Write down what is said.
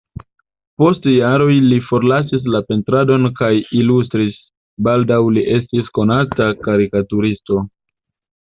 Post jaroj li forlasis la pentradon kaj ilustris, baldaŭ li estis konata karikaturisto.